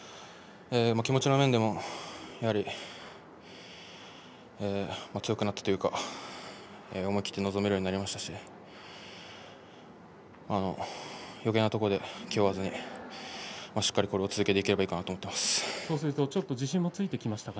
気持ちの面でも強くなったというか思い切って臨めるようになりましたしよけいなところで気負わずにしっかりとこの相撲を続けていけばいいかなと思います。